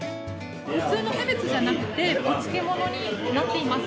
普通のキャベツじゃなくてお漬物になっています。